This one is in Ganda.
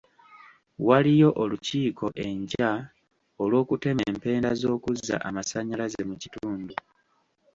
Waliyo olukiiko enkya olw'okutema empenda z'okuzza amasannyalaze mu kitundu.